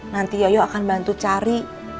nanti yoyo akan bantu cari